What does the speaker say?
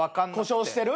故障してる。